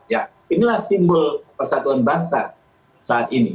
ya inilah simbol persatuan bangsa saat ini